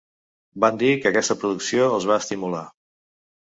Van dir que aquesta producció els va estimular.